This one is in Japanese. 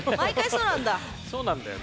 そうなんだよな。